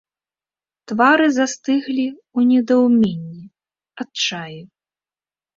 Твары застыглі ў недаўменні, адчаі.